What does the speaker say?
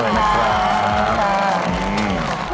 ขอบคุณค่ะขอบคุณค่ะ